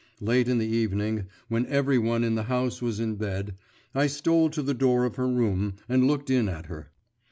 Late in the evening, when every one in the house was in bed, I stole to the door of her room and looked in at her.